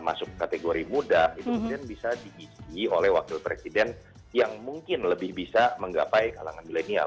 masuk kategori muda itu kemudian bisa diisi oleh wakil presiden yang mungkin lebih bisa menggapai kalangan milenial